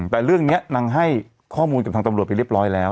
แต่เรื่องนี้นางให้ข้อมูลกับทางตำรวจไปเรียบร้อยแล้ว